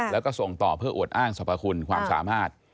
แล้วก็ส่งต่อเพื่ออวดอ้างสรรพคุณความสามารถ